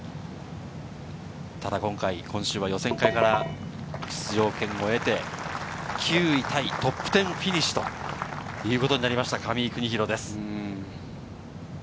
ただ今週は予選会から出場権を得て、９位タイ、トップ１０フィニッシュということになりました、上井邦浩です。